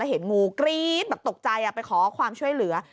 เห็นงูกรี๊ดแบบตกใจไปขอความช่วยเหลือ